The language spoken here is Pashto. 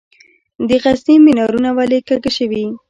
د غزني منارونه ولې کږه شوي؟